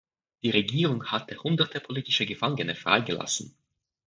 Die Regierung hatte hunderte politische Gefangene frei gelassen.